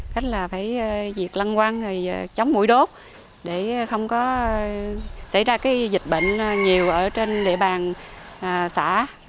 cách là phải diệt lăng quăng chống mũi đốt để không có xảy ra dịch bệnh nhiều ở trên địa bàn xã